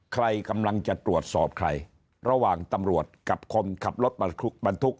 ใครกำลังจะตรวจสอบใครระหว่างตำรวจกับคนขับรถบรรทุกบรรทุก